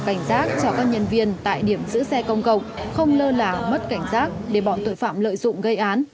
cảnh giác cho các nhân viên tại điểm giữ xe công cộng không lơ là mất cảnh giác để bọn tội phạm lợi dụng gây án